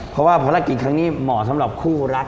เพราะว่าภารกิจครั้งนี้เหมาะสำหรับคู่รัก